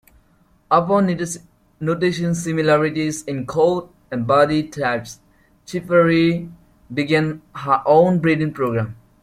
Upon noticing similarities in coat and body types, Chiefari began her own breeding program.